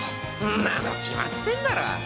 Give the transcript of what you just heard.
んなの決まってんだろ。